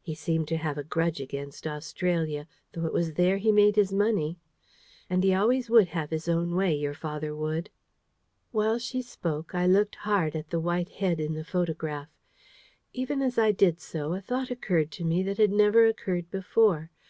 He seemed to have a grudge against Australia, though it was there he made his money. And he always would have his own way, your father would." While she spoke, I looked hard at the white head in the photograph. Even as I did so, a thought occurred to me that had never occurred before.